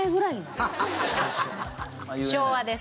昭和です。